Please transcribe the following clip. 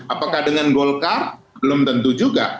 apakah dengan golkar belum tentu juga